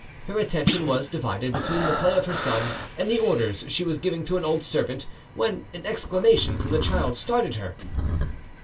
Her attention was divided between the play of her son and the orders she was giving to an old servant, when an exclamation from the child startled her.